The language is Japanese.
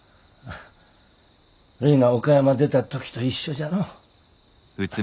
るいが岡山出た時と一緒じゃのう。